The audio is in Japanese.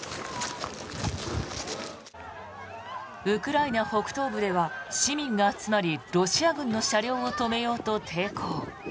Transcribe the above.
ウクライナ北東部では市民が集まりロシア軍の車両を止めようと抵抗。